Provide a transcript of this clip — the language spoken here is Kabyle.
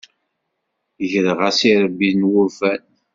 Greɣ-as irebbi n wurfan.